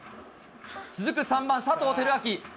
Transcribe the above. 続く３番佐藤輝明。